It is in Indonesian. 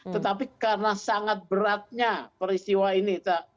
tetapi karena sangat beratnya peristiwa ini